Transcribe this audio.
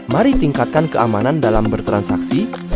mari tingkatkan keamanan dalam bertransaksi